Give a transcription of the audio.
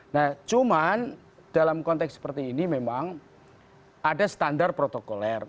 nah cuman dalam konteks seperti ini memang ada standar protokoler